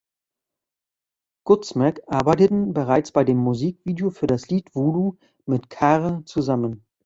Godsmack arbeiteten bereits bei dem Musikvideo für das Lied "Voodoo" mit Karr zusammen.